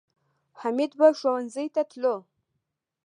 حمید به ښوونځي ته تلو